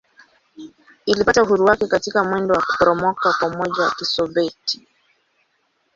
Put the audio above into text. Ilipata uhuru wake katika mwendo wa kuporomoka kwa Umoja wa Kisovyeti.